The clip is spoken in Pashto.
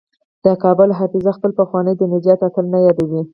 د کابل حافظه خپل پخوانی د نجات اتل نه یادوي.